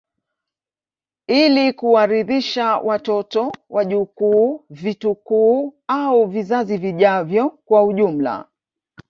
Ili kuwarithisha watoto wajukuu vitukuu au vizazi vijavyo kwa ujumla